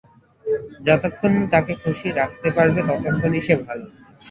যতক্ষণ তাকে খুশি রাখতে পারবে, ততক্ষণই সে ভালো।